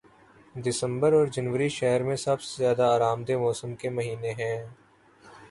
دسمبر اور جنوری شہر میں سب سے زیادہ آرام دہ موسم کے مہینے ہیں